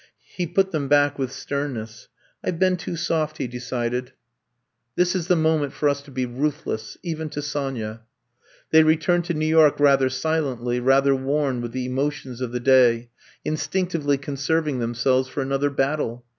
He put them back with sternness. I 've been too soft," he decided. 188 I'VE COMB TO STAT ^^ This is the moment for us to be ruthless — even to Sonya. '' They returned to New York rather silently, rather worn with the emotions of the day, instinctively conserving them selves for another battle.